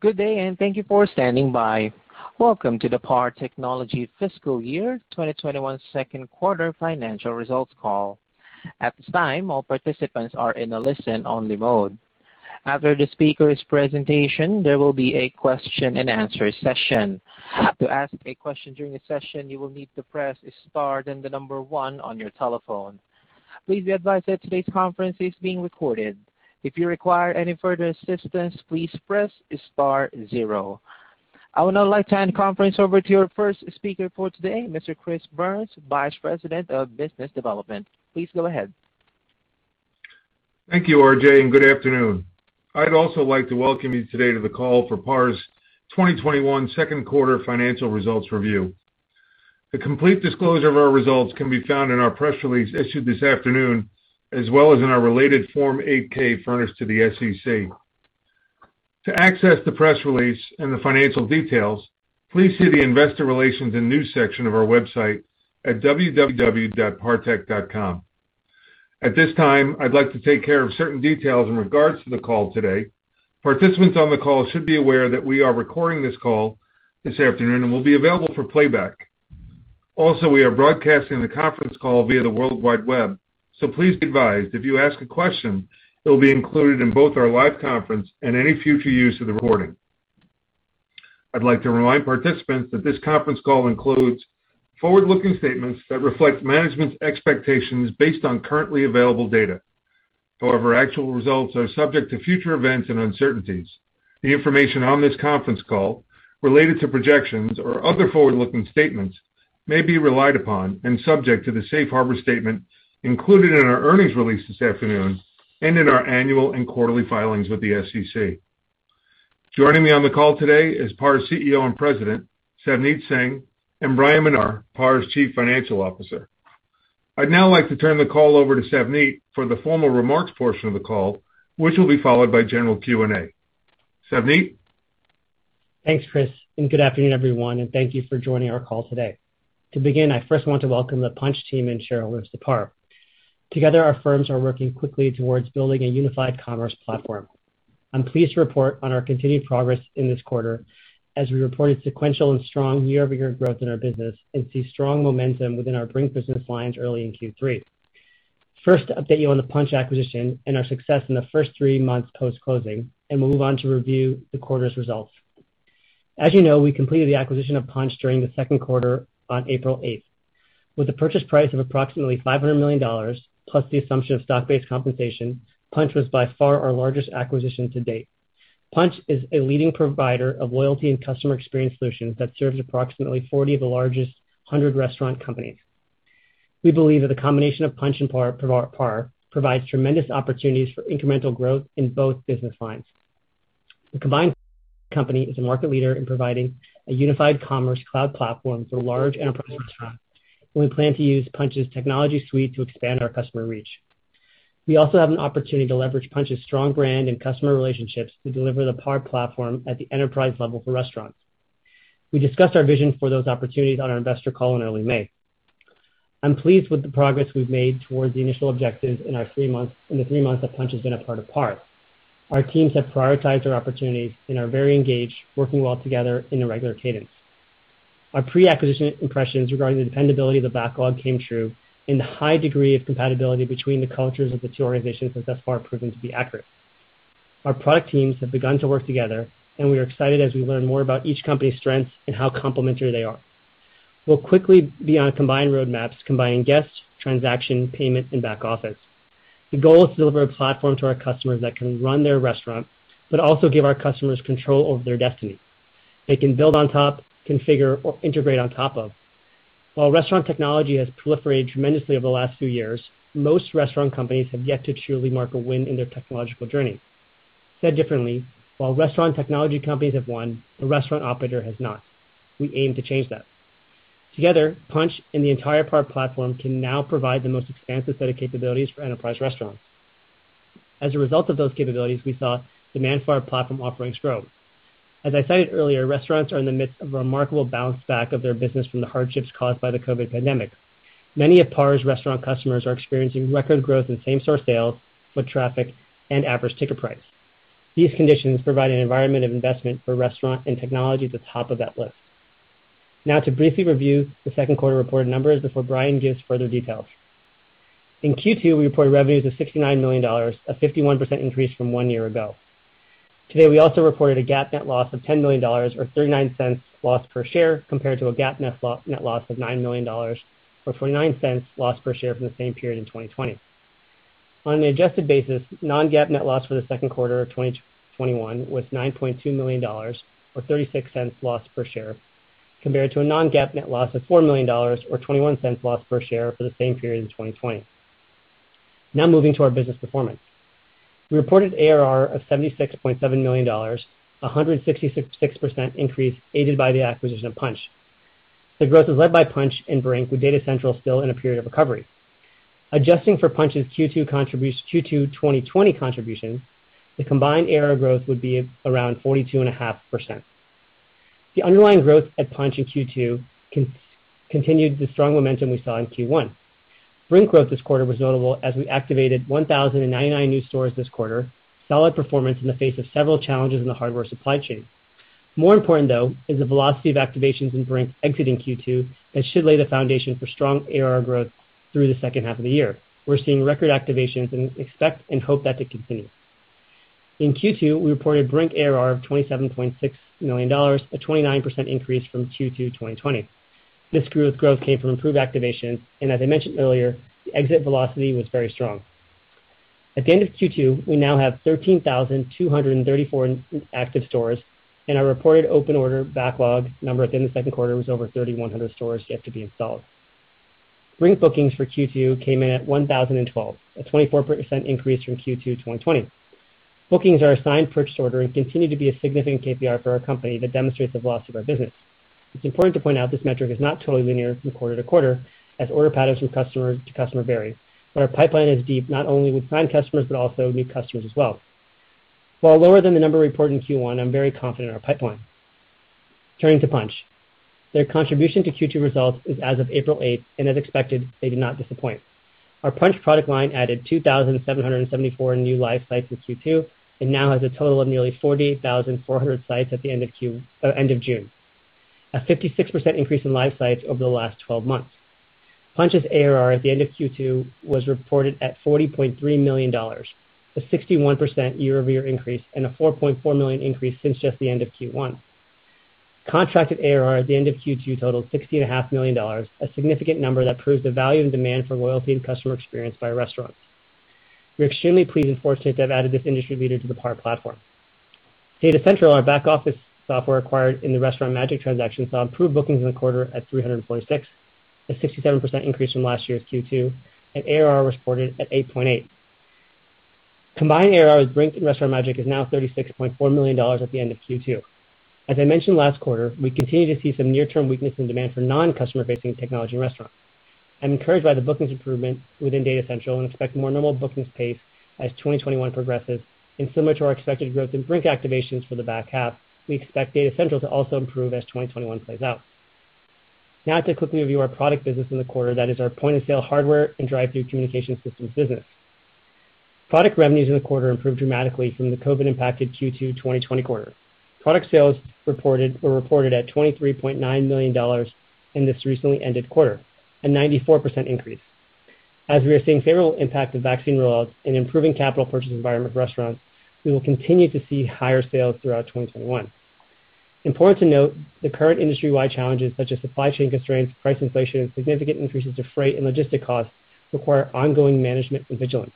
Good day, and thank you for standing by. Welcome to the PAR Technology fiscal year 2021 second quarter financial results call. At this time, all participants are in a listen-only mode. After the speaker's presentation, there will be a question-and-answer session. To ask a question during the session, you will need to press star then the number one on your telephone. Please be advised that today's conference is being recorded. If you require any further assistance, please press star zero. I would now like to hand the conference over to your first speaker for today, Mr. Chris Byrnes, Vice President of Business Development. Please go ahead. Thank you, RJ. Good afternoon. I'd also like to welcome you today to the call for PAR's 2021 second-quarter financial results review. The complete disclosure of our results can be found in our press release issued this afternoon, as well as in our related Form 8-K furnished to the SEC. To access the press release and the financial details, please see the investor relations and news section of our website at www.partech.com. At this time, I'd like to take care of certain details in regards to the call today. Participants on the call should be aware that we are recording this call this afternoon and will be available for playback. We are broadcasting the conference call via the World Wide Web. Please be advised, if you ask a question, it will be included in both our live conference and any future use of the recording. I'd like to remind participants that this conference call includes forward-looking statements that reflect management's expectations based on currently available data. Actual results are subject to future events and uncertainties. The information on this conference call related to projections or other forward-looking statements may be relied upon and subject to the safe harbor statement included in our earnings release this afternoon and in our annual and quarterly filings with the SEC. Joining me on the call today is PAR's CEO and President, Savneet Singh, and Bryan Menar, PAR's Chief Financial Officer. I'd now like to turn the call over to Savneet for the formal remarks portion of the call, which will be followed by general Q&A. Savneet? Thanks, Chris. Good afternoon, everyone. Thank you for joining our call today. To begin, I first want to welcome the Punchh team and share a word with the PAR. Together, our firms are working quickly towards building a unified commerce platform. I'm pleased to report on our continued progress in this quarter as we reported sequential and strong year-over-year growth in our business and see strong momentum within our Brink business lines early in Q3. First, to update you on the Punchh acquisition and our success in the first three months post-closing, we'll move on to review the quarter's results. As you know, we completed the acquisition of Punchh during the second quarter on April 8. With a purchase price of approximately $500 million, plus the assumption of stock-based compensation, Punchh was by far our largest acquisition to date. Punchh is a leading provider of loyalty and consumer loyalty solutions that serves approximately 40 of the largest 100 restaurant companies. We believe that the combination of Punchh and PAR provides tremendous opportunities for incremental growth in both business lines. The combined company is a market leader in providing a unified commerce cloud platform for large enterprise restaurants, and we plan to use Punchh's technology suite to expand our customer reach. We also have an opportunity to leverage Punchh's strong brand and customer relationships to deliver the PAR platform at the enterprise level for restaurants. We discussed our vision for those opportunities on our investor call in early May. I'm pleased with the progress we've made towards the initial objectives in the three months that Punchh has been a part of PAR. Our teams have prioritized our opportunities and are very engaged, working well together in a regular cadence. Our pre-acquisition impressions regarding the dependability of the backlog came true, and the high degree of compatibility between the cultures of the two organizations has thus far proven to be accurate. Our product teams have begun to work together, and we are excited as we learn more about each company's strengths and how complementary they are. We'll quickly be on combined roadmaps, combining guests, transactions, payments, and back-office. The goal is to deliver a platform to our customers that can run their restaurant, but also give our customers control over their destiny. They can build on top, configure, or integrate on top of. While restaurant technology has proliferated tremendously over the last few years, most restaurant companies have yet to truly mark a win in their technological journey. Said differently, while restaurant technology companies have won, the restaurant operator has not. We aim to change that. Together, Punchh and the entire PAR platform can now provide the most expansive set of capabilities for enterprise restaurants. As a result of those capabilities, we saw demand for our platform offerings grow. As I cited earlier, restaurants are in the midst of a remarkable bounce back of their business from the hardships caused by the COVID pandemic. Many of PAR's restaurant customers are experiencing record growth in same-store sales, foot traffic, and average ticket price. These conditions provide an environment of investment for restaurant and technology at the top of that list. Now, to briefly review the second quarter reported numbers before Bryan gives further details. In Q2, we reported revenues of $69 million, a 51% increase from one year ago. Today, we also reported a GAAP net loss of $10 million, or $0.39 loss per share, compared to a GAAP net loss of $9 million, or $0.49 loss per share, from the same period in 2020. On an adjusted basis, non-GAAP net loss for the second quarter of 2021 was $9.2 million, or $0.36 loss per share, compared to a non-GAAP net loss of $4 million, or $0.21 loss per share, for the same period in 2020. Moving to our business performance. We reported ARR of $76.7 million, 166% increase aided by the acquisition of Punchh. The growth was led by Punchh and Brink, with Data Central still in a period of recovery. Adjusting for Punchh's Q2 2020 contribution, the combined ARR growth would be around 42.5%. The underlying growth at Punchh in Q2 continued the strong momentum we saw in Q1. Brink's growth this quarter was notable as we activated 1,099 new stores this quarter, solid performance in the face of several challenges in the hardware supply chain. More important, though, is the velocity of activations in Brink exiting Q2 that should lay the foundation for strong ARR growth through the second half of the year. We're seeing record activations and expect and hope that to continue. In Q2, we reported Brink ARR of $27.6 million, a 29% increase from Q2 2020. This growth came from improved activations, and as I mentioned earlier, the exit velocity was very strong. At the end of Q2, we now have 13,234 active stores, and our reported open order backlog number at the end of the second quarter was over 3,100 stores yet to be installed. Brink bookings for Q2 came in at 1,012, a 24% increase from Q2 2020. Bookings are a signed purchase order and continue to be a significant KPI for our company that demonstrates the velocity of our business. It's important to point out this metric is not totally linear from quarter to quarter, as order patterns from customer to customer vary. Our pipeline is deep, not only with signed customers, but also new customers as well. While lower than the number reported in Q1, I'm very confident in our pipeline. Turning to Punchh. Their contribution to Q2 results is as of April 8th, and as expected, they did not disappoint. Our Punchh product line added 2,774 new live sites in Q2 and now has a total of nearly 40,400 sites at the end of June. A 56% increase in live sites over the last 12 months. Punchh's ARR at the end of Q2 was reported at $40.3 million, a 61% year-over-year increase and a $4.4 million increase since just the end of Q1. Contracted ARR at the end of Q2 totaled $60.5 million, a significant number that proves the value and demand for loyalty and customer experience by restaurants. We're extremely pleased and fortunate to have added this industry leader to the PAR platform. Data Central, our back office software acquired in the Restaurant Magic transaction, saw improved bookings in the quarter at 346, a 67% increase from last year's Q2, and ARR reported at $8.8. Combined ARR with Brink and Restaurant Magic is now $36.4 million at the end of Q2. As I mentioned last quarter, we continue to see some near-term weakness in demand for non-customer-facing technology in restaurants. I'm encouraged by the bookings improvement within Data Central and expect a more normal bookings pace as 2021 progresses. Similar to our expected growth in Brink activations for the back half, we expect Data Central to also improve as 2021 plays out. Now, to quickly review our product business in the quarter. That is our point-of-sale hardware and drive-thru communication systems business. Product revenues in the quarter improved dramatically from the COVID-impacted Q2 2020 quarter. Product sales were reported at $23.9 million in this recently ended quarter, a 94% increase. As we are seeing favorable impact of vaccine rollouts and an improving capital purchase environment for restaurants, we will continue to see higher sales throughout 2021. Important to note the current industry-wide challenges, such as supply chain constraints, price inflation, and significant increases to freight and logistics costs, require ongoing management and vigilance.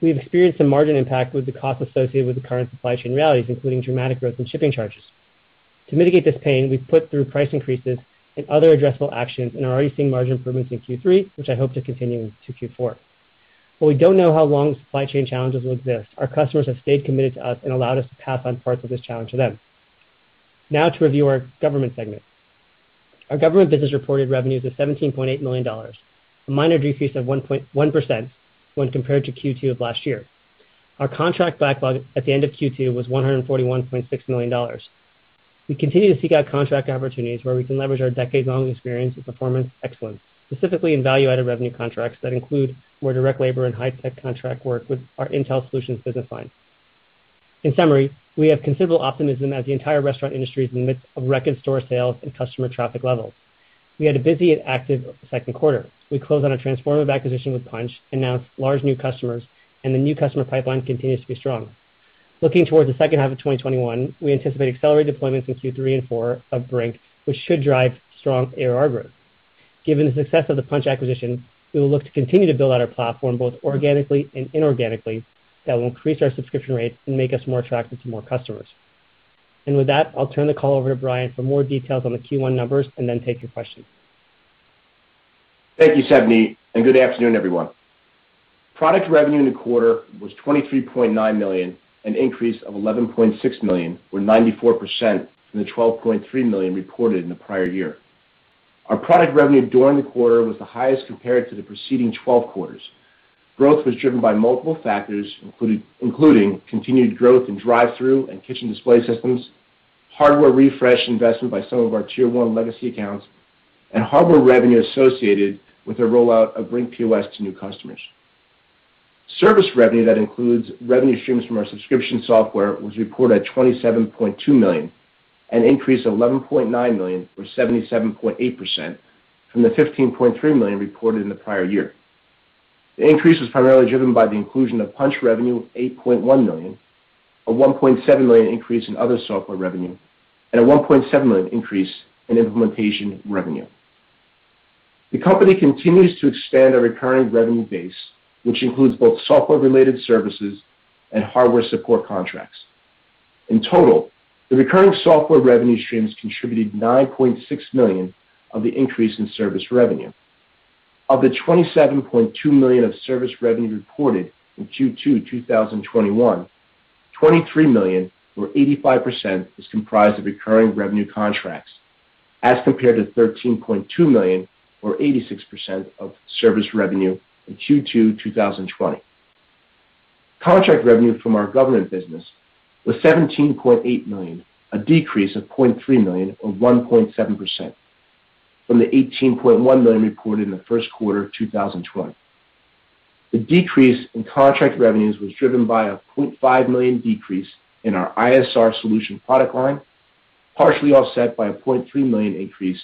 We've experienced some margin impact with the cost associated with the current supply chain realities, including dramatic growth in shipping charges. To mitigate this pain, we've put through price increases and other addressable actions and are already seeing margin improvements in Q3, which I hope to continue into Q4. While we don't know how long supply chain challenges will exist, our customers have stayed committed to us and allowed us to pass on parts of this challenge to them. To review our government segment. Our government business reported revenues of $17.8 million, a minor decrease of 1% when compared to Q2 of last year. Our contract backlog at the end of Q2 was $141.6 million. We continue to seek out contract opportunities where we can leverage our decades-long experience with performance excellence, specifically in value-added revenue contracts that include more direct labor and high-tech contract work with our ISR solutions business line. In summary, we have considerable optimism as the entire restaurant industry is in the midst of record store sales and customer traffic levels. We had a busy and active second quarter. We closed on a transformative acquisition with Punchh, announced large new customers, and the new customer pipeline continues to be strong. Looking towards the second half of 2021, we anticipate accelerated deployments in Q3 and Q4 of Brink, which should drive strong ARR growth. Given the success of the Punchh acquisition, we will look to continue to build out our platform both organically and inorganically that will increase our subscription rates and make us more attractive to more customers. With that, I'll turn the call over to Bryan for more details on the Q1 numbers and then take your questions. Thank you, Savneet Singh. Good afternoon, everyone. Product revenue in the quarter was $23.9 million, an increase of $11.6 million or 94% from the $12.3 million reported in the prior year. Our product revenue during the quarter was the highest compared to the preceding 12 quarters. Growth was driven by multiple factors, including continued growth in drive-thru and kitchen display systems, hardware refresh investment by some of our tier one legacy accounts, and hardware revenue associated with the rollout of Brink POS to new customers. Service revenue that includes revenue streams from our subscription software was reported at $27.2 million, an increase of $11.9 million or 77.8% from the $15.3 million reported in the prior year. The increase was primarily driven by the inclusion of Punchh revenue of $8.1 million, a $1.7 million increase in other software revenue, and a $1.7 million increase in implementation revenue. The company continues to expand our recurring revenue base, which includes both software-related services and hardware support contracts. In total, the recurring software revenue streams contributed $9.6 million of the increase in service revenue. Of the $27.2 million of service revenue reported in Q2 2021, $23 million or 85% is comprised of recurring revenue contracts as compared to $13.2 million or 86% of service revenue in Q2 2020. Contract revenue from our government business was $17.8 million, a decrease of $0.3 million or 1.7% from the $18.1 million reported in the first quarter of 2021. The decrease in contract revenues was driven by a $0.5 million decrease in our ISR solution product line, partially offset by a $0.3 million increase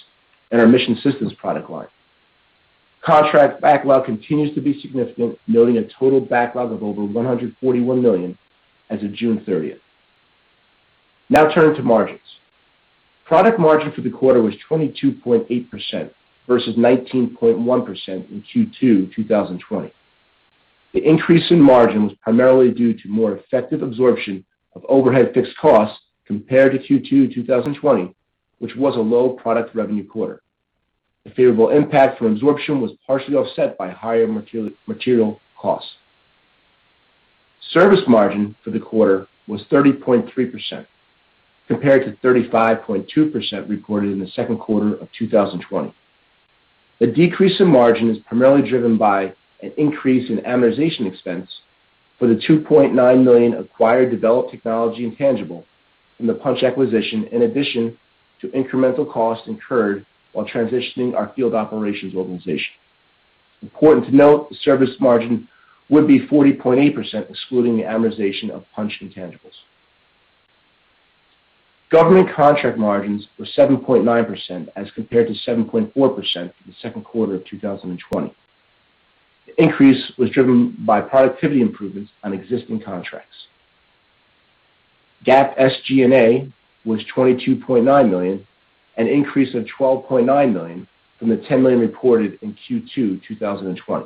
in our mission systems product line. Contract backlog continues to be significant, noting a total backlog of over $141 million as of June 30. Now turning to margins. Product margin for the quarter was 22.8% versus 19.1% in Q2 2020. The increase in margin was primarily due to more effective absorption of overhead fixed costs compared to Q2 2020, which was a low product revenue quarter. The favorable impact from absorption was partially offset by higher material costs. Service margin for the quarter was 30.3%, compared to 35.2% recorded in the second quarter of 2020. The decrease in margin is primarily driven by an increase in amortization expense for the $2.9 million acquired developed technology intangible from the Punchh acquisition, in addition to incremental costs incurred while transitioning our field operations organization. Important to note, the service margin would be 40.8%, excluding the amortization of Punchh intangibles. Government contract margins were 7.9% as compared to 7.4% for the second quarter of 2020. The increase was driven by productivity improvements on existing contracts. GAAP SG&A was $22.9 million, an increase of $12.9 million from the $10 million reported in Q2 2020.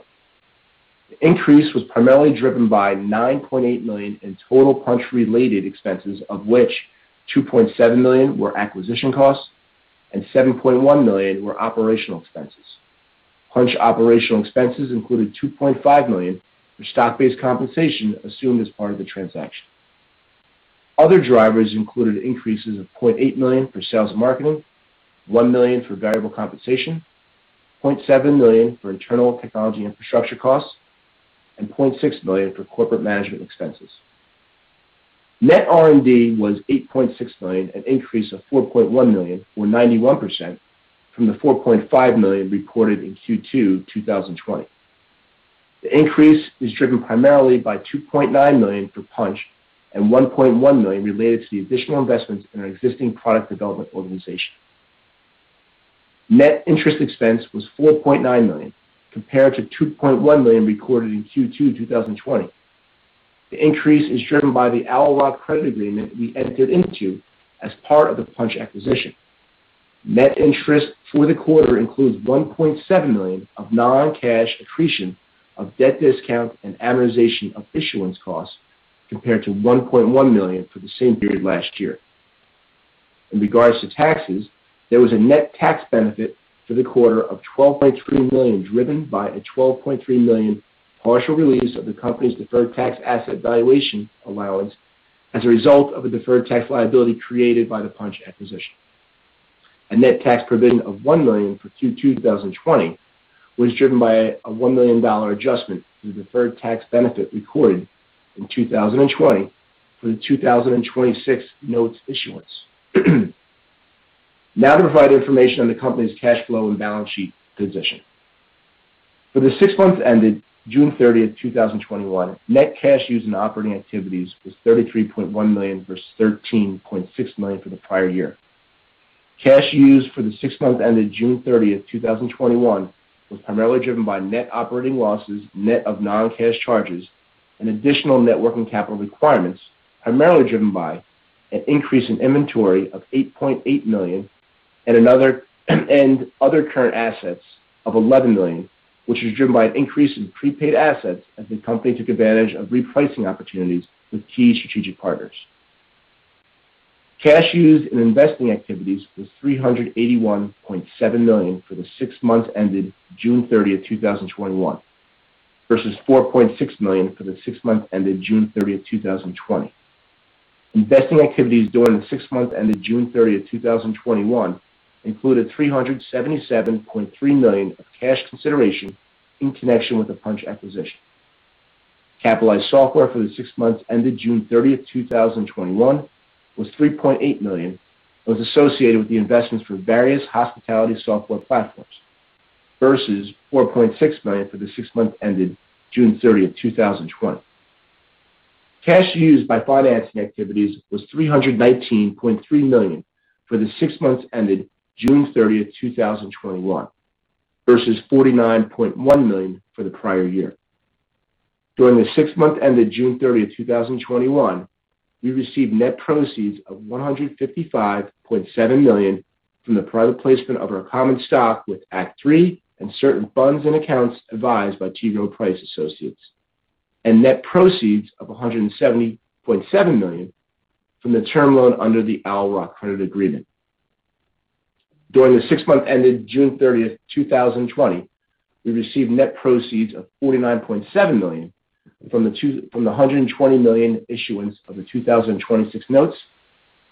The increase was primarily driven by $9.8 million in total Punchh-related expenses, of which $2.7 million were acquisition costs and $7.1 million were operational expenses. Punchh's operational expenses included $2.5 million for stock-based compensation assumed as part of the transaction. Other drivers included increases of $0.8 million for sales and marketing, $1 million for variable compensation, $0.7 million for internal technology infrastructure costs, and $0.6 million for corporate management expenses. Net R&D was $8.6 million, an increase of $4.1 million or 91% from the $4.5 million reported in Q2 2020. The increase is driven primarily by $2.9 million for Punchh and $1.1 million related to the additional investments in our existing product development organization. Net interest expense was $4.9 million, compared to $2.1 million recorded in Q2 2020. The increase is driven by the Owl Rock credit agreement we entered into as part of the Punchh acquisition. Net interest for the quarter includes $1.7 million of non-cash accretion of debt discount and amortization of issuance costs, compared to $1.1 million for the same period last year. In regards to taxes, there was a net tax benefit for the quarter of $12.3 million, driven by a $12.3 million partial release of the company's deferred tax asset valuation allowance as a result of a deferred tax liability created by the Punchh acquisition. A net tax provision of $1 million for Q2 2020 was driven by a $1 million adjustment to the deferred tax benefit recorded in 2020 for the 2026 notes issuance. Now, to provide information on the company's cash flow and balance sheet position. For the six months ended June 30, 2021, net cash used in operating activities was $33.1 million versus $13.6 million for the prior year. Cash used for the six months ended June 30, 2021, was primarily driven by net operating losses, net of non-cash charges, and additional net working capital requirements, primarily driven by an increase in inventory of $8.8 million and other current assets of $11 million, which was driven by an increase in prepaid assets as the company took advantage of repricing opportunities with key strategic partners. Cash used in investing activities was $381.7 million for the six months ended June 30, 2021, versus $4.6 million for the six months ended June 30, 2020. Investing activities during the six months ended June 30, 2021, included $377.3 million of cash consideration in connection with the Punchh acquisition. Capitalized software for the six months ended June 30, 2021, was $3.8 million and was associated with the investments for various hospitality software platforms, versus $4.6 million for the six months ended June 30, 2020. Cash used by financing activities was $319.3 million for the six months ended June 30, 2021, versus $49.1 million for the prior year. During the six months ended June 30, 2021, we received net proceeds of $155.7 million from the private placement of our common stock with Act III and certain funds and accounts advised by T. Rowe Price Associates, and net proceeds of $170.7 million from the term loan under the Owl Rock credit agreement. During the six months ended June 30, 2020, we received net proceeds of $49.7 million from the $120 million issuance of the 2026 notes,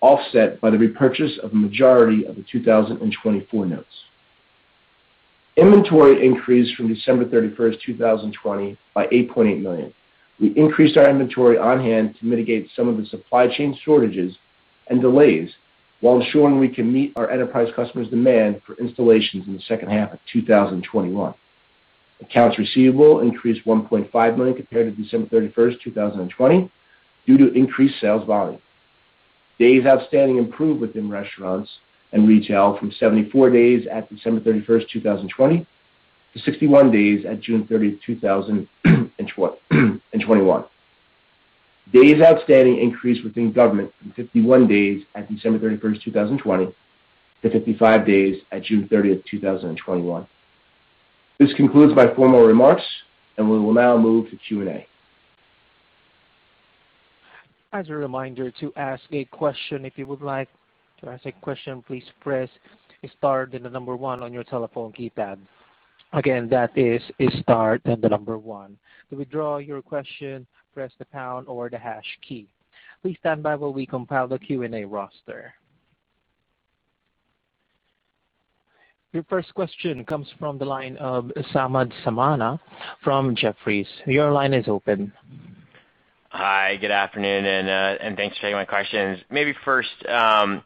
offset by the repurchase of the majority of the 2024 notes. Inventory increased from December 31, 2020, by $8.8 million. We increased our inventory on hand to mitigate some of the supply chain shortages and delays, while ensuring we can meet our enterprise customers' demand for installations in the second half of 2021. Accounts receivable increased $1.5 million compared to December 31, 2020, due to increased sales volume. Days outstanding improved within restaurants and retail from 74 days at December 31, 2020, to 61 days at June 30, 2021. Days outstanding increased within government from 51 days at December 31, 2020, to 55 days at June 30, 2021. This concludes my formal remarks, and we will now move to Q&A. Your first question comes from the line of Samad Samana from Jefferies. Your line is open. Hi, good afternoon, thanks for taking my questions. Maybe first, Savneet,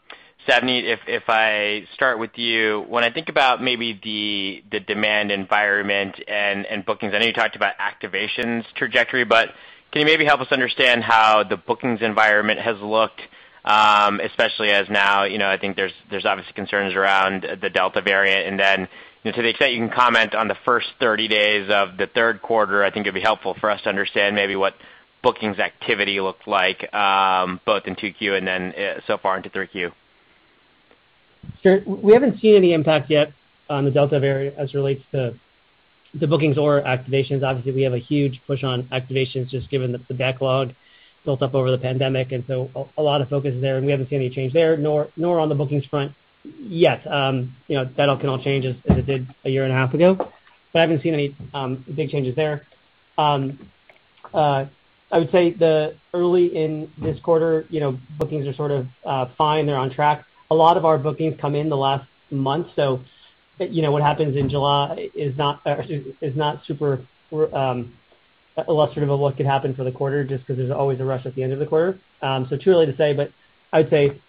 if I start with you. When I think about maybe the demand environment and bookings, I know you talked about activations trajectory, but can you maybe help us understand how the bookings environment has looked, especially as now, I think there's obviously concerns around the Delta variant. Then, to the extent you can comment on the first 30 days of the third quarter, I think it'd be helpful for us to understand maybe what bookings activity looked like, both in 2Q and then so far into 3Q. Sure. We haven't seen any impact yet on the Delta variant as it relates to the bookings or activations. Obviously, we have a huge push on activations, just given the backlog built up over the pandemic, and so a lot of focus is there, and we haven't seen any change there, nor on the bookings front yet. That all can all change as it did a year and a half ago. I haven't seen any big changes there. I would say early in this quarter, bookings are sort of fine. They're on track. A lot of our bookings come in the last month, so what happens in July is not super illustrative of what could happen for the quarter, just because there's always a rush at the end of the quarter. Too early to say, I would say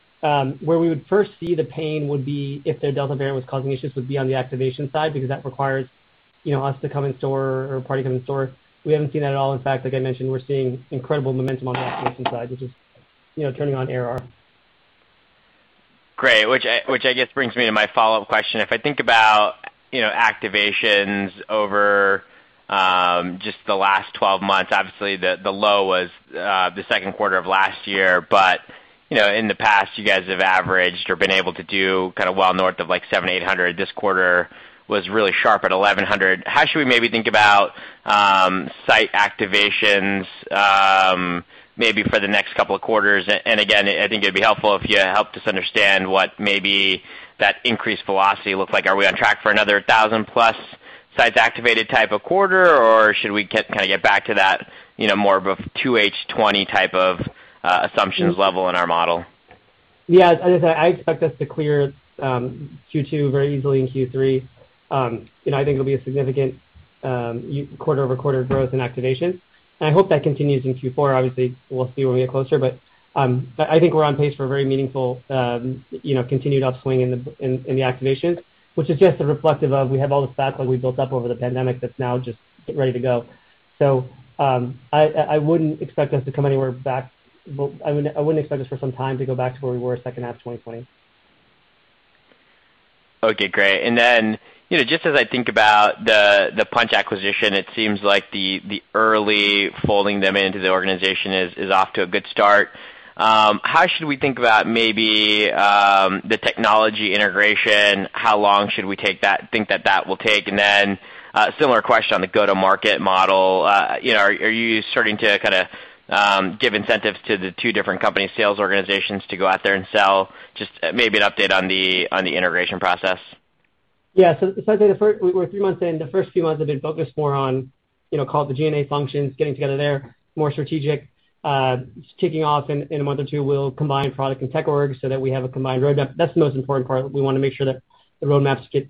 where we would first see the pain, would be if the Delta variant was causing issues would be on the activation side, because that requires us to come in store or a party come in store. We haven't seen that at all. In fact, like I mentioned, we're seeing incredible momentum on the activation side, which is turning on ARR. Great. Which, I guess, brings me to my follow-up question. If I think about activations over just the last 12 months, obviously, the low was the second quarter of last year. In the past, you guys have averaged or been able to do well north of 700, 800. This quarter was really sharp at 1,100. How should we maybe think about site activations, maybe for the next couple of quarters? Again, I think it'd be helpful if you helped us understand what maybe that increased velocity looks like. Are we on track for another 1,000-plus sites activated type of quarter, or should we kind of get back to that more of a two H2 2020 type of assumptions level in our model? Yeah. As I said, I expect us to clear Q2 very easily in Q3. I think it'll be a significant quarter-over-quarter growth in activation, and I hope that continues in Q4. Obviously, we'll see when we get closer. I think we're on pace for a very meaningful continued upswing in the activations, which is just reflective of we have all this backlog we've built up over the pandemic that's now just getting ready to go. I wouldn't expect us for some time to go back to where we were second half of 2020. Okay, great. Just as I think about the Punchh acquisition, it seems like the early folding them into the organization is off to a good start. How should we think about maybe the technology integration? How long should we think that that will take? A similar question on the go-to-market model. Are you starting to give incentives to the two different company sales organizations to go out there and sell? Just maybe an update on the integration process. Yeah. As I say, we're three months in. The first few months have been focused more on call it the G&A functions, getting together there, more strategic. Kicking off in a month or two, we'll combine product and tech org so that we have a combined roadmap. That's the most important part. We want to make sure that the roadmaps get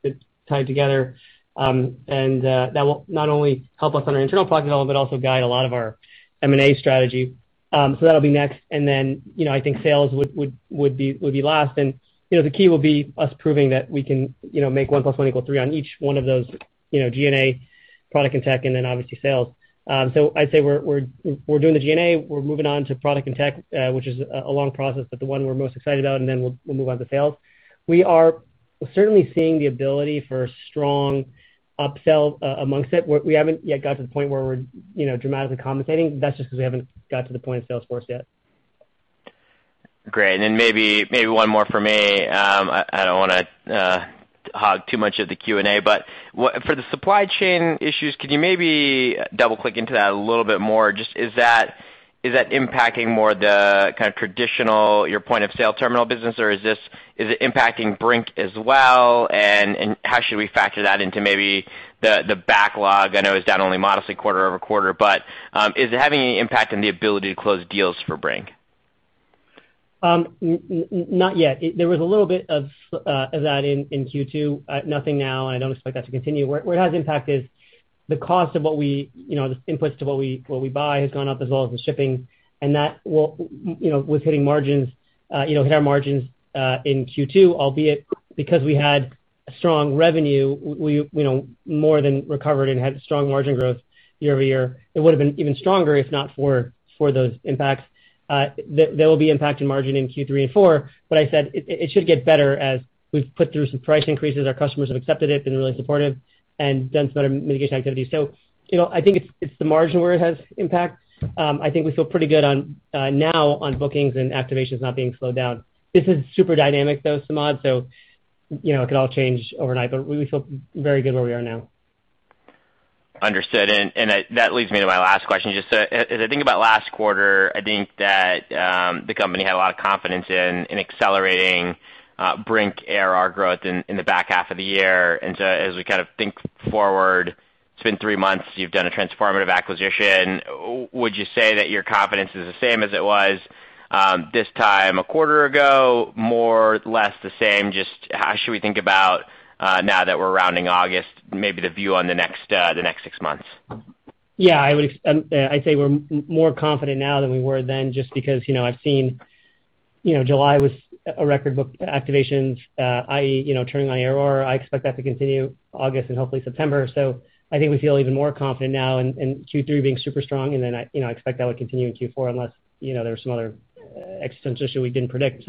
tied together. That will not only help us on our internal product development, but also guide a lot of our M&A strategy. That will be next. I think sales would be last. The key will be us proving that we can make one plus one equal three on each one of those G&A, product, and tech, and then obviously sales. I'd say we're doing the G&A, we're moving on to product and tech, which is a long process, but the one we're most excited about, and then we'll move on to sales. We are certainly seeing the ability for strong upsells amongst it. We haven't yet got to the point where we're dramatically commentating. That's just because we haven't got to the point of sales force yet. Great. Maybe one more from me. I don't want to hog too much of the Q&A, for the supply chain issues, could you maybe double-click into that a little bit more? Just is that impacting more the traditional your point-of-sale terminal business, or is it impacting Brink as well? How should we factor that into maybe the backlog? I know it's down only modestly quarter-over-quarter, is it having any impact on the ability to close deals for Brink? Not yet. There was a little bit of that in Q2. Nothing now. I don't expect that to continue. Where it has an impact is the cost of the inputs to what we buy has gone up, as well as the shipping. That was hitting our margins in Q2, albeit because we had a strong revenue, we more than recovered and had strong margin growth year-over-year. It would've been even stronger if not for those impacts. They will be impacting the margin in Q3 and Q4. I said it should get better as we've put through some price increases. Our customers have accepted it, been really supportive, and done some better mitigation activities. I think it's the margin where it has an impact. I think we feel pretty good now on bookings and activations not being slowed down. This is super dynamic, though, Samad, so it could all change overnight, but we feel very good where we are now. Understood. That leads me to my last question. Just as I think about last quarter, I think that the company had a lot of confidence in accelerating Brink ARR growth in the back half of the year. As we think forward, it's been three months, you've done a transformative acquisition. Would you say that your confidence is the same as it was this time a quarter ago, more, or less the same? Just how should we think about now that we're rounding August, maybe the view on the next six months? I'd say we're more confident now than we were then, just because I've seen July was a record book activations, i.e., turning on ARR. I expect that to continue August and hopefully September. I think we feel even more confident now in Q3 being super strong, and then I expect that would continue in Q4 unless there was some other extensive issue we didn't predict.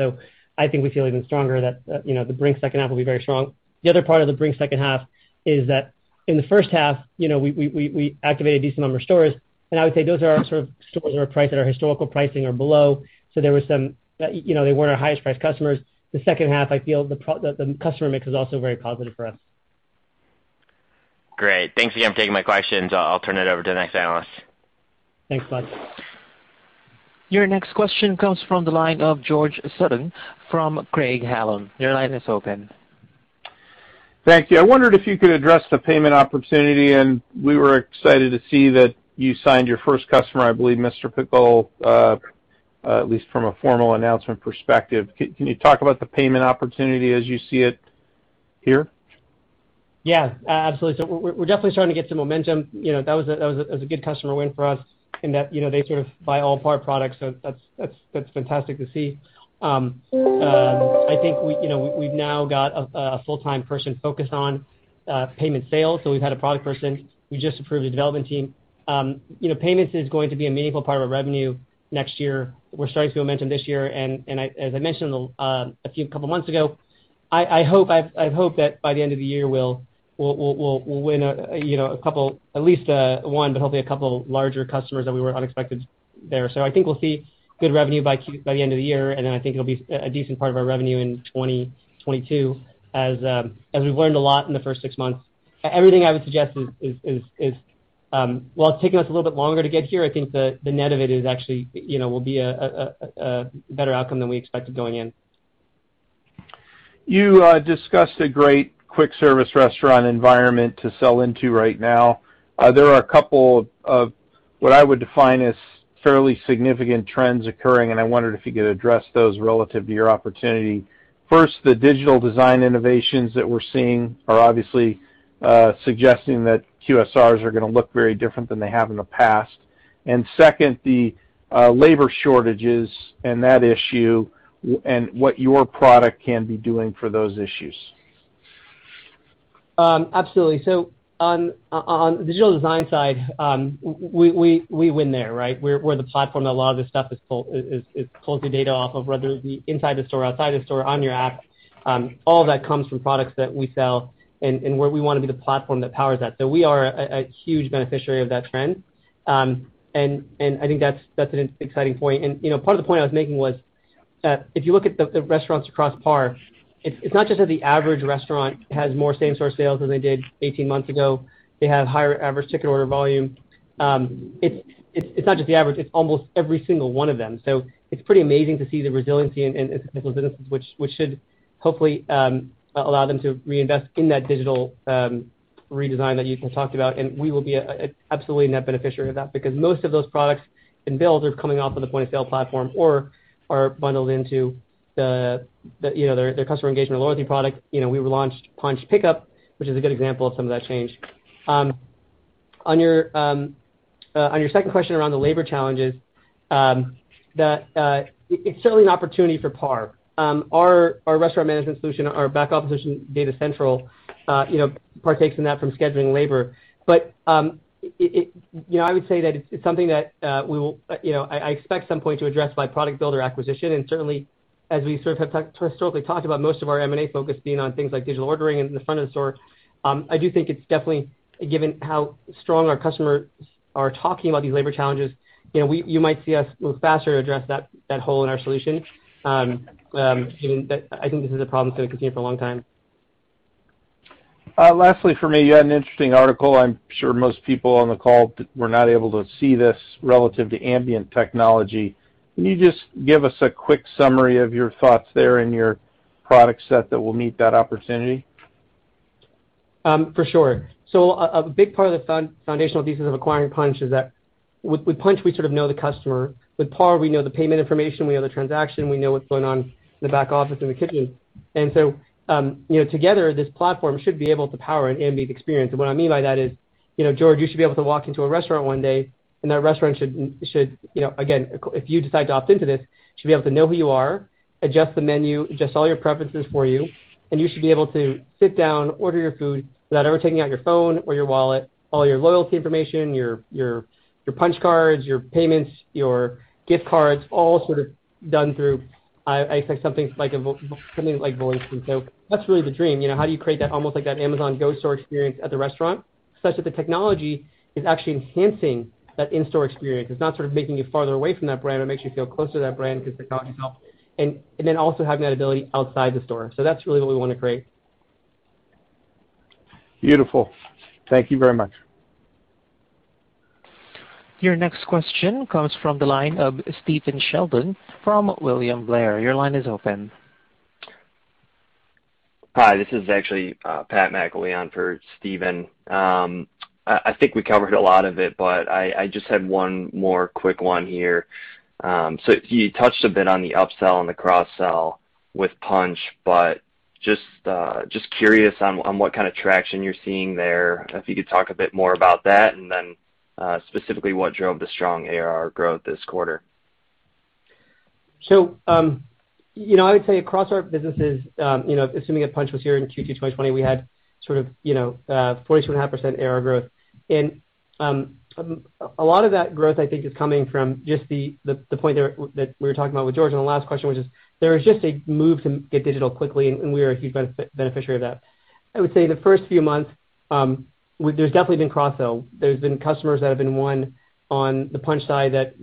I think we feel even stronger that the Brink's second half will be very strong. The other part of the Brink second half is that in the first half, we activated a decent number of stores, and I would say those are our stores that are priced at our historical pricing or below. They weren't our highest-priced customers. The second half, I feel the customer mix is also very positive for us. Great. Thanks again for taking my questions. I'll turn it over to the next analyst. Thanks, bud. Your next question comes from the line of George Sutton from Craig-Hallum. Your line is open. Thank you. I wondered if you could address the payment opportunity. We were excited to see that you signed your first customer, I believe, Mr. Pickle's, at least from a formal announcement perspective. Can you talk about the payment opportunity as you see it here? Absolutely. We're definitely starting to get some momentum. That was a good customer win for us in that they buy all PAR products. That's fantastic to see. I think we've now got a full-time person focused on payment sales. We've had a product person who just approved a development team. Payments is going to be a meaningful part of our revenue next year. We're starting to see momentum this year. As I mentioned a couple of months ago, I hope that by the end of the year, we'll win at least one, but hopefully a couple larger customers that we were unexpected there. I think we'll see good revenue by the end of the year. I think it'll be a decent part of our revenue in 2022, as we've learned a lot in the first six months. Everything I would suggest is, while it's taken us a little bit longer to get here, I think the net of it is actually will be a better outcome than we expected going in. You discussed a great quick-service restaurant environment to sell into right now. There are a couple of what I would define as fairly significant trends occurring, and I wondered if you could address those relative to your opportunity. First, the digital design innovations that we're seeing are obviously suggesting that QSRs are going to look very different than they have in the past. Second, the labor shortages and that issue and what your product can be doing for those issues. Absolutely. On the digital design side, we win there, right? We're the platform that a lot of this stuff is pulled the data off of, whether it be inside the store, outside the store, on your app. All that comes from products that we sell, and where we want to be the platform that powers that. We are a huge beneficiary of that trend. I think that's an exciting point. Part of the point I was making was that if you look at the restaurants across PAR, it's not just that the average restaurant has more same-store sales than they did 18 months ago. They have a higher average ticket order volume. It's not just the average, it's almost every single one of them. It's pretty amazing to see the resiliency in those businesses, which should hopefully allow them to reinvest in that digital redesign that you talked about. We will be absolutely a net beneficiary of that, because most of those products and builds are coming off of the point-of-sale platform or are bundled into their customer engagement loyalty product. We launched Punchh Pickup, which is a good example of some of that change. On your second question around the labor challenges, it's certainly an opportunity for PAR. Our restaurant management solution, our back office solution, Data Central, partakes in that from scheduling labor. I would say that it's something that I expect some point to address by product build or acquisition, and certainly, as we have historically talked about, most of our M&A focus being on things like digital ordering and the front of the store. I do think it's definitely, given how strong our customers are talking about these labor challenges, you might see us move faster to address that hole in our solution. I think this is a problem that's going to continue for a long time. Lastly, for me, you had an interesting article. I'm sure most people on the call were not able to see this relative to ambient technology. Can you just give us a quick summary of your thoughts there and your product set that will meet that opportunity? For sure. A big part of the foundational thesis of acquiring Punchh is that with Punchh, we sort of know the customer. With PAR, we know the payment information, we know the transaction, we know what's going on in the back office, in the kitchen. Together, this platform should be able to power an ambient experience. What I mean by that is, George, you should be able to walk into a restaurant one day, and that restaurant should, again, if you decide to opt into this, should be able to know who you are, adjust the menu, adjust all your preferences for you, and you should be able to sit down, order your food without ever taking out your phone or your wallet, all your loyalty information, your punch cards, your payments, your gift cards, all sort of done through, I expect something like voice. That's really the dream. How do you create that, almost like that Amazon Go store experience at the restaurant, such that the technology is actually enhancing that in-store experience? It's not sort of making you farther away from that brand. It makes you feel closer to that brand because the technology helps. Also, having that ability outside the store. That's really what we want to create. Beautiful. Thank you very much. Your next question comes from the line of Stephen Sheldon from William Blair. Your line is open. Hi, this is actually Pat McIlwee for Stephen. I think we covered a lot of it, but I just had one more quick one here. You touched a bit on the upsell and the cross-sell with Punchh, but just curious on what kind of traction you're seeing there, if you could talk a bit more about that, and then specifically what drove the strong ARR growth this quarter. I would say across our businesses, assuming that Punchh was here in Q2 2020, we had sort of 42.5% ARR growth. A lot of that growth, I think, is coming from just the point that we were talking about with George on the last question, which is there was just a move to get digital quickly, and we are a huge beneficiary of that. I would say the first few months, there's definitely been cross-sell. There's been customers that have been won on the Punchh side that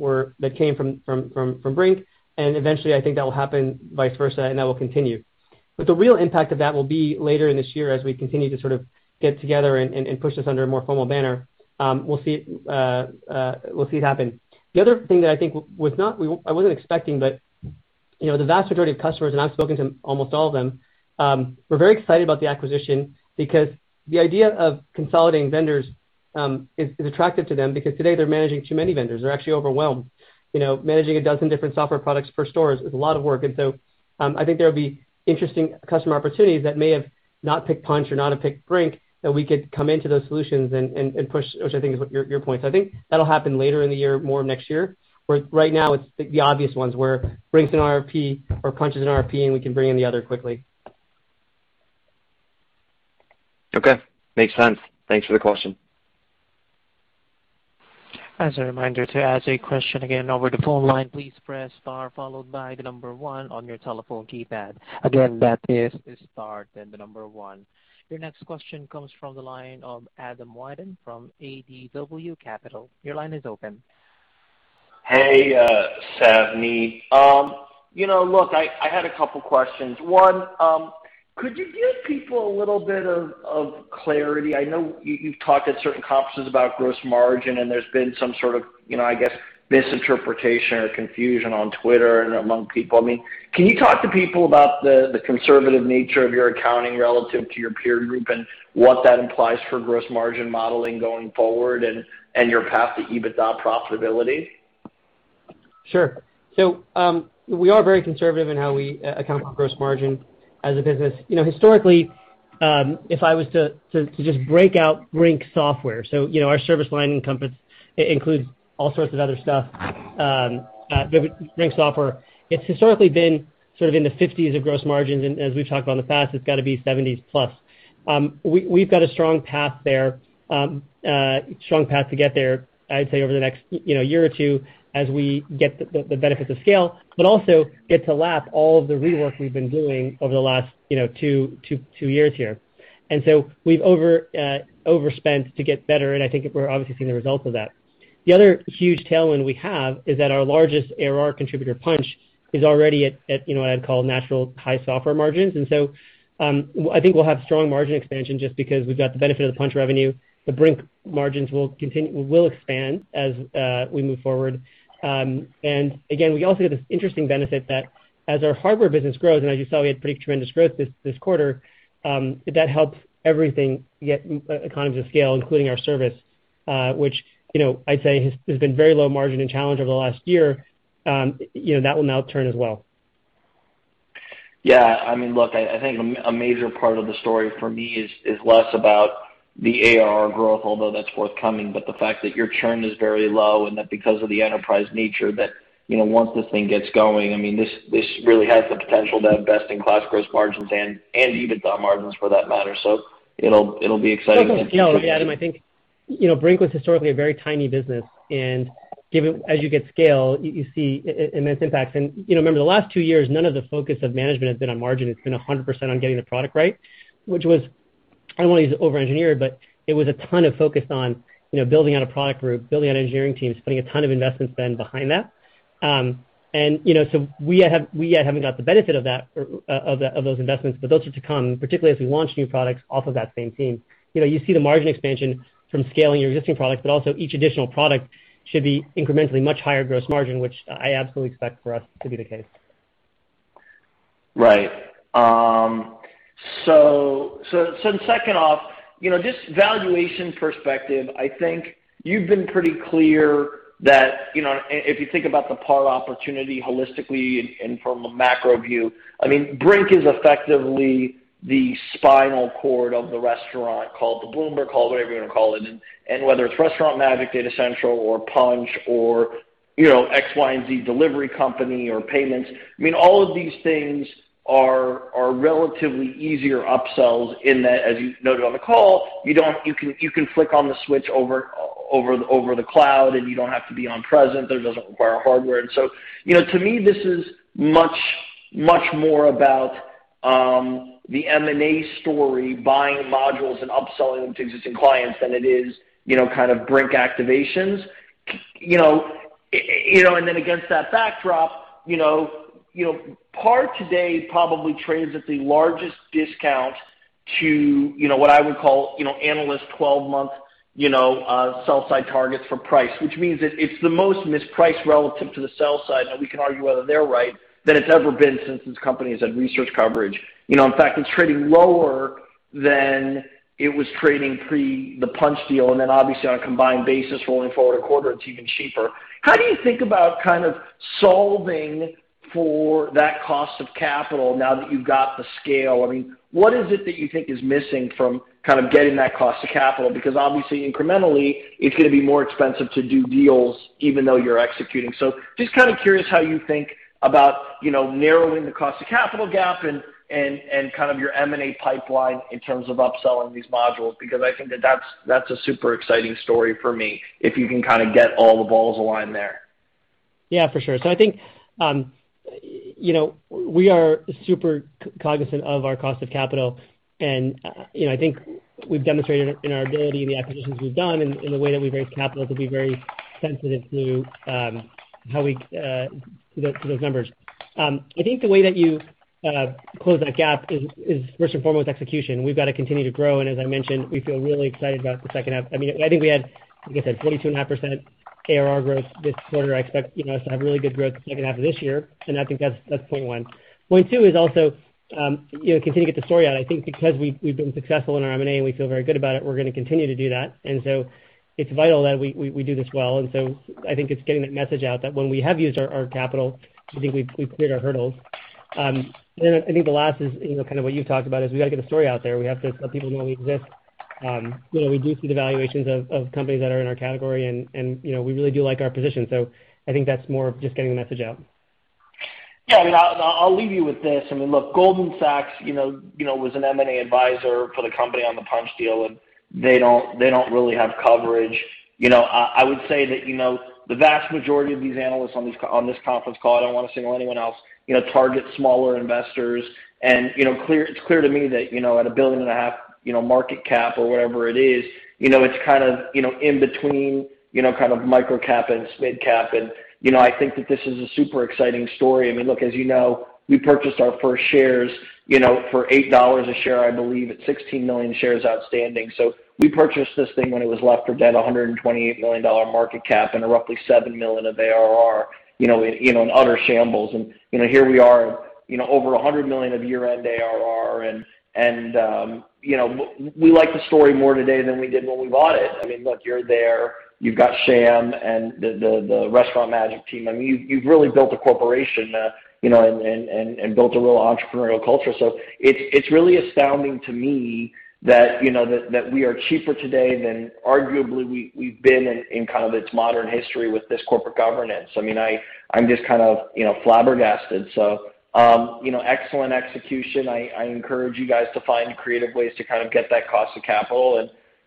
came from Brink, and eventually I think that will happen vice versa, and that will continue. The real impact of that will be later in this year as we continue to sort of get together and push this under a more formal banner. We'll see it happen. The other thing that I think I wasn't expecting but the vast majority of customers, and I've spoken to almost all of them, were very excited about the acquisition because the idea of consolidating vendors is attractive to them, because today they're managing too many vendors. They're actually overwhelmed. Managing 12 different software products per store is a lot of work. I think there will be interesting customer opportunities that may have not picked Punchh or not have picked Brink that we could come into those solutions and push, which I think is your point. I think that'll happen later in the year, more next year, where right now it's the obvious ones, where Brink's an RFP or Punchh is an RFP, and we can bring in the other quickly. Okay. Makes sense. Thanks for the question. Your next question comes from the line of Adam Wyden from ADW Capital. Your line is open. Hey, Savneet Singh. Look, I had two questions. One, could you give people a little bit of clarity? I know you've talked at certain conferences about gross margin, and there's been some sort of, I guess, misinterpretation or confusion on Twitter and among people. I mean, can you talk to people about the conservative nature of your accounting relative to your peer group and what that implies for gross margin modeling going forward and your path to EBITDA profitability? Sure. We are very conservative in how we account for gross margin as a business. Historically, if I was to just break out Brink Software, our service line encompass includes all sorts of other stuff. Brink Software, it's historically been sort of in the 50s of gross margins, and as we've talked about in the past, it's got to be 70s plus. We've got a strong path there, a strong path to get there, I'd say over the next year or two, as we get the benefits of scale, but also get to lap all of the rework we've been doing over the last two years here. We've overspent to get better, and I think we're obviously seeing the results of that. The other huge tailwind we have is that our largest ARR contributor, Punchh, is already at what I'd call natural high software margins. I think we'll have strong margin expansion just because we've got the benefit of the Punchh revenue. The Brink margins will expand as we move forward. Again, we also get this interesting benefit that as our hardware business grows, and as you saw, we had pretty tremendous growth this quarter, that helps everything get economies of scale, including our service, which I'd say has been very low margin and challenge over the last year. That will now turn as well. Yeah. I mean, look, I think a major part of the story for me is less about the ARR growth, although that's forthcoming, but the fact that your churn is very low and that, because of the enterprise nature, that once this thing gets going, I mean, this really has the potential to have best-in-class gross margins and EBITDA margins for that matter. It'll be exciting. No, Adam, I think Brink was historically a very tiny business, and as you get scale, you see immense impacts. Remember, the last two years, none of the focus of management has been on margin. It's been 100% on getting the product right, which was, I don't want to use over-engineered, but it was a ton of focus on building out a product group, building out engineering teams, putting a ton of investment spend behind that. We haven't got the benefit of those investments, but those are to come, particularly as we launch new products off of that same team. You see the margin expansion from scaling your existing products, but also each additional product should be incrementally much higher gross margin, which I absolutely expect for us to be the case. Right. Second off, just valuation perspective, I think you've been pretty clear that if you think about the PAR opportunity holistically and from a macro view, Brink is effectively the spinal cord of the restaurant called the, whatever you want to call it. Whether it's Restaurant Magic, Data Central, or Punchh, or X, Y, and Z delivery company or payments, all of these things are relatively easier upsells in that, as you noted on the call, you can flick on the switch over the cloud, and you don't have to be on present, or it doesn't require hardware. To me, this is much more about the M&A story, buying modules and upselling them to existing clients, than it is kind of Brink activations. Then, against that backdrop, PAR today probably trades at the largest discount to what I would call analyst 12-month sell-side targets for price, which means that it's the most mispriced relative to the sell side. Now we can argue whether they're right, than it's ever been since this company has had research coverage. In fact, it's trading lower than it was trading pre the Punchh deal, and then obviously on a combined basis rolling forward a quarter, it's even cheaper. How do you think about kind of solving for that cost of capital now that you've got the scale? What is it that you think is missing from kind of getting that cost of capital? Obviously incrementally, it's going to be more expensive to do deals even though you're executing. Just kind of curious how you think about narrowing the cost of capital gap and kind of your M&A pipeline in terms of upselling these modules, because I think that that's a super exciting story for me, if you can kind of get all the balls aligned there. Yeah, for sure. I think we are super cognizant of our cost of capital, and I think we've demonstrated in our ability in the acquisitions we've done and in the way that we raise capital to be very sensitive to those numbers. I think the way that you close that gap is, first and foremost, execution. We've got to continue to grow, and as I mentioned, we feel really excited about the second half. I think we had, like I said, 42.5% ARR growth this quarter. I expect us to have really good growth in the second half of this year, and I think that's point one. Point two is also continue to get the story out. I think because we've been successful in our M&A and we feel very good about it, we're going to continue to do that. It's vital that we do this well. I think it's getting that message out that when we have used our capital, I think we've cleared our hurdles. I think the last is kind of what you talked about, is we got to get the story out there. We have to let people know we exist. We do see the valuations of companies that are in our category, and we really do like our position. I think that's more of just getting the message out. Yeah. I'll leave you with this. Look, Goldman Sachs was an M&A advisor for the company on the Punchh deal, they don't really have coverage. I would say that the vast majority of these analysts on this conference call, I don't want to single anyone else, target smaller investors, it's clear to me that at a $1.5 billion market cap or whatever it is, it's kind of in between kind of microcap and midcap. I think that this is a super exciting story. Look, as you know, we purchased our first shares for $8 a share, I believe, at 16 million shares outstanding. We purchased this thing when it was left for dead, $128 million market cap and roughly $7 million of ARR, in utter shambles. Here we are, over $100 million of year-end ARR, and we like the story more today than we did when we bought it. Look, you're there, you've got Shyam and the restaurant magic team. You've really built a corporation and built a real entrepreneurial culture. It's really astounding to me that we are cheaper today than arguably we've been in kind of its modern history with this corporate governance. I'm just kind of flabbergasted. Excellent execution. I encourage you guys to find creative ways to kind of get that cost of capital,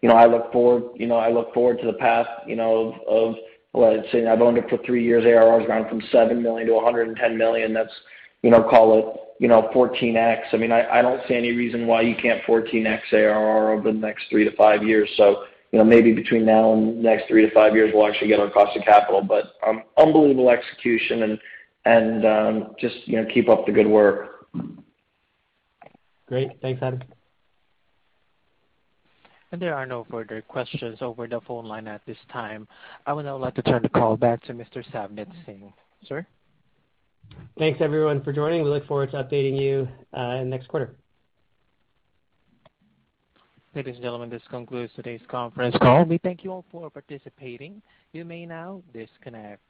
and I look forward to the path of, let's say, I've owned it for three years, ARR's gone from $7 million to $110 million. That's call it, 14x. I don't see any reason why you can't 14x ARR over the next 3-5 years. Maybe between now and the next three to five years, we'll actually get our cost of capital. Unbelievable execution, and just keep up the good work. Great. Thanks, Adam. There are no further questions over the phone line at this time. I would now like to turn the call back to Mr. Savneet Singh. Sir? Thanks, everyone, for joining. We look forward to updating you next quarter. Ladies and gentlemen, this concludes today's conference call. We thank you all for participating. You may now disconnect.